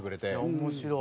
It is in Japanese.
面白い。